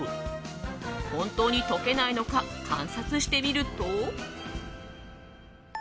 本当に溶けないのか観察してみると。